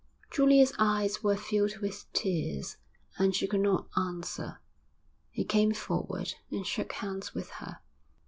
Julia's eyes were filled with tears, and she could not answer. He came forward and shook hands with her.